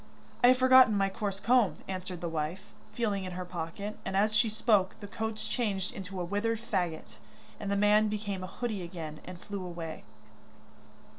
'I have forgotten my coarse comb,' answered the wife, feeling in her pocket, and as she spoke the coach changed into a withered faggot, and the man became a hoodie again, and flew away.